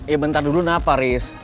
i bentar dulu apa ris